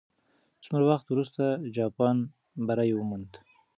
څومره وخت وروسته جاپان بری وموند؟